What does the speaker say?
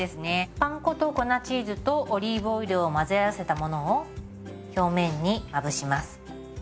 パン粉と粉チーズとオリーブオイルを混ぜ合わせたものを表面にまぶします。